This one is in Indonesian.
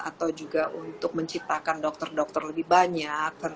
atau juga untuk menciptakan dokter dokter lebih banyak